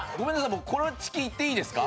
僕コロチキいっていいですか？